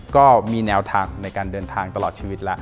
ก็มีแนวทางในการเดินทางตลอดชีวิตแล้ว